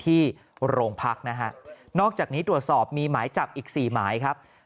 ที่โรงพักนะฮะนอกจากนี้ตรวจสอบมีหมายจับอีก๔หมายครับ